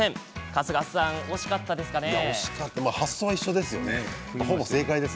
春日さん、惜しかったですかね。